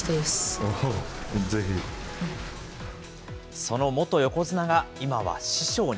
その元横綱が、今は師匠に。